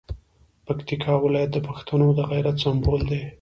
پکتیکا ولایت د پښتنو د غیرت سمبول دی.